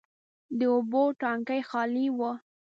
د اوبو ټانکي خالي و.